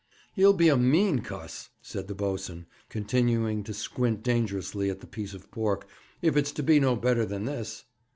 'He'll be a mean cuss,' said the boatswain, continuing to squint dangerously at the piece of pork, 'if it's to be no better than this.'